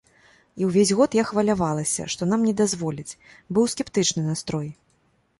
І ўвесь год я хвалявалася, што нам не дазволяць, быў скептычны настрой.